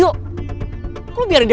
kan aku bukas ta hertz tadi